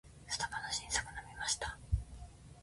スタバの新作飲みました？